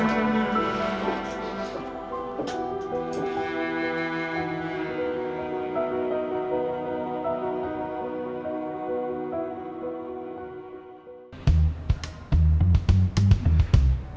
tak ada tugas